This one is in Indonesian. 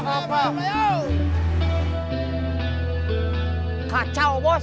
kalau kacau bos